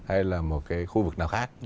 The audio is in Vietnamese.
hay là một cái khu vực nào khác